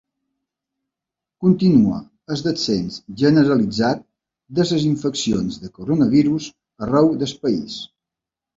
Continua el descens generalitzat de les infeccions de coronavirus arreu del país.